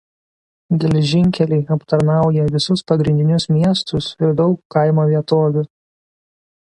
Geležinkeliai aptarnauja visus pagrindinius miestus ir daug kaimo vietovių.